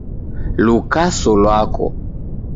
Lukaso lwako